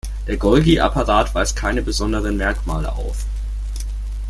Der Golgi-Apparat weist keine besonderen Merkmale auf.